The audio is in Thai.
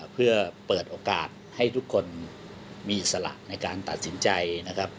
เพื่อเปิดโอกาสให้ทุกคนมีอิสระในการตัดสินใจนะครับ